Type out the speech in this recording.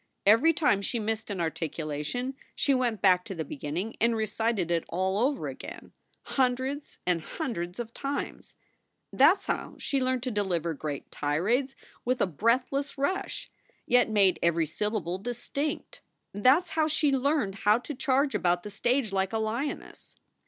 Every time she missed an articulation she went back to the beginning and recited it all over again hundreds and hundreds of times. That s how she learned to deliver great tirades with a breathless rush, yet made every syllable distinct. That s how she learned how to charge about the stage like a lioness.